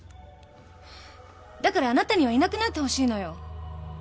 だからあなたにはいなくなってほしいのよ。